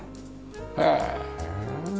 へえ。